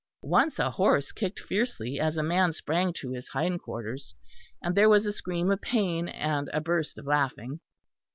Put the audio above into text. Once a horse kicked fiercely as a man sprang to his hind quarters, and there was a scream of pain and a burst of laughing.